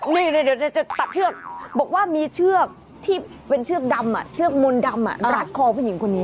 เดี๋ยวตัดเชือกบอกว่ามีเชือกมนต์ดำรักคอผู้หญิงคนนี้